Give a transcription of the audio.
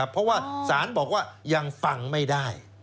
เพราะว่าสารบอกว่ายังฟังไม่ได้